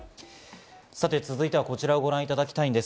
続いてはこちらをご覧いただきます。